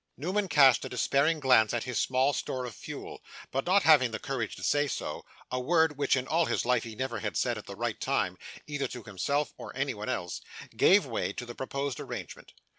Newman cast a despairing glance at his small store of fuel, but, not having the courage to say no a word which in all his life he never had said at the right time, either to himself or anyone else gave way to the proposed arrangement.